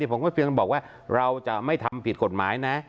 ผมก็เพียงบอกว่าเราจะไม่ทำผิดกฎหมายนะ